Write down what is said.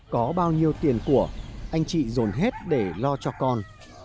có bao nhiêu tiền của anh chị dồn hết để lo cho con